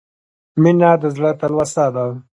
• مینه د زړه تلوسه ده.